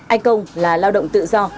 anh công là lao động tự do